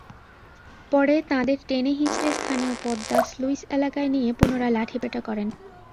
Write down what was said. পরে তাঁদের টেনে -হিঁচড়ে স্থানীয় পদ্মা স্লুইস এলাকায় নিয়ে পুনরায় লাঠিপেটা করেন।